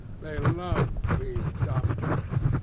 They love being dominated.